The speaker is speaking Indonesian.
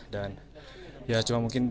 dan ya cuma mungkin di